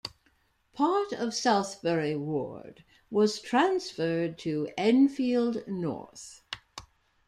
Part of Southbury ward was transferred to Enfield North.